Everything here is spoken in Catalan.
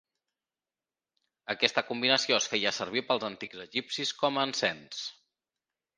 Aquesta combinació es feia servir pels antics egipcis com a encens.